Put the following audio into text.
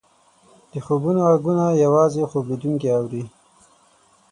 د خوبونو ږغونه یوازې خوب لیدونکی اوري.